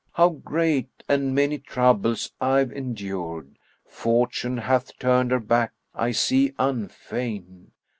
How great and many troubles I've endured! * Fortune hath turned her back I see unfain.